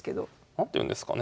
何ていうんですかね。